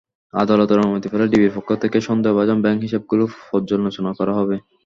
আদালতের অনুমতি পেলে ডিবির পক্ষ থেকে সন্দেহভাজন ব্যাংক হিসাবগুলো পর্যালোচনা করা হবে।